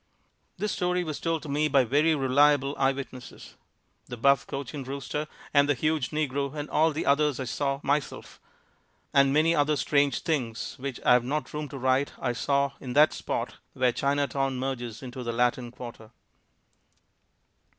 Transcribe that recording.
This story was told to me by very reliable eye witnesses. The buff cochin rooster and the huge negro and all the others I saw myself. And many other strange things which I have not room to write, I saw in that spot where Chinatown merges into the Latin quarter.